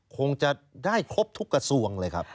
คงจะได้ครบทุกกระทรวงเลยครับ